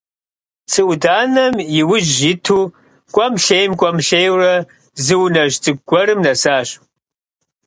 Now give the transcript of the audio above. Цы Ӏуданэм и ужь иту кӀуэм-лъейм, кӀуэм-лъейурэ зы унэжь цӀыкӀу гуэрым нэсащ.